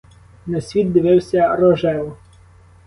На світ дивився рожево.